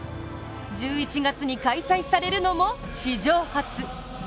１１月に開催されるのも史上初。